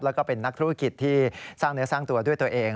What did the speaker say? แล้วก็เป็นนักธุรกิจที่สร้างเนื้อสร้างตัวด้วยตัวเอง